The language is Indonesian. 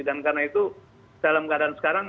dan karena itu dalam keadaan sekarang